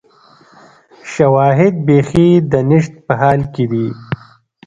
شواهد بیخي د نشت په حال کې دي